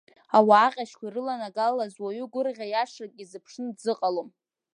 Ауаа ҟьашьқәа ирыланагалаз ауаҩы гәырӷьара иашак изԥшны дзыҟалом.